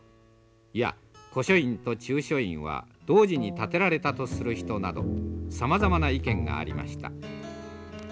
いや古書院と中書院は同時に建てられたとする人などさまざまな意見がありました。